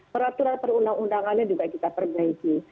peraturan perundang undangannya juga kita perbaiki